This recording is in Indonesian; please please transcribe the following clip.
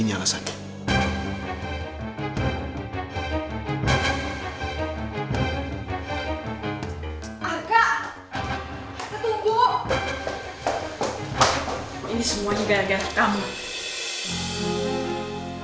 ini semuanya gara gara kamu